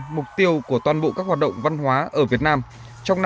mục tiêu của toàn bộ các hoạt động văn hóa ở việt nam trong năm hai nghìn hai mươi